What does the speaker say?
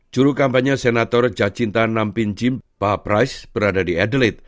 juru kampanye senator jacinta nampinjim pak price berada di adelaide